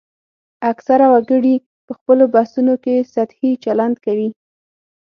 اکثره وګړي په خپلو بحثونو کې سطحي چلند کوي